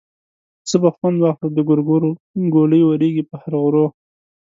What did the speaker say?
څه به خوند واخلو د ګورګورو ګولۍ ورېږي په هر غرو.